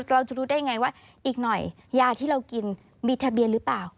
เราจะรู้ได้ไงว่าอีกหน่อยยาที่เรากินมีทะเบียนหรือเปล่า